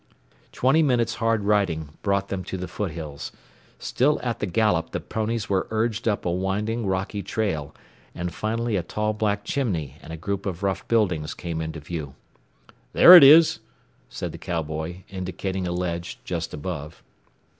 Twenty minutes' hard riding brought them to the foothills. Still at the gallop the ponies were urged up a winding rocky trail, and finally a tall black chimney and a group of rough buildings came into view. "There it is," said the cowboy, indicating a ledge just above.